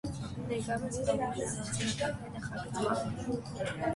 Ներկայումս զբաղվում է առանձին ապրանքների նախագծմամբ։